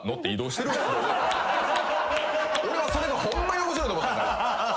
俺はそれがホンマに面白いと思ったから。